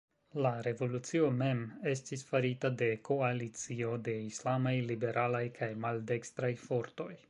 La revolucio mem estis farita de koalicio de islamaj, liberalaj kaj maldekstraj fortoj.